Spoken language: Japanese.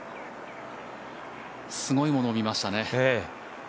すごいものを見ましたね。